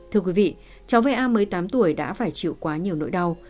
thưa quý vị cháu va một mươi tám tuổi đã phải chịu quá nhiều nỗi đau